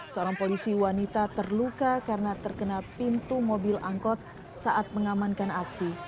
seorang polisi wanita terluka karena terkena pintu mobil angkot saat mengamankan aksi